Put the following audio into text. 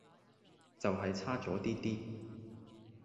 就係差左啲啲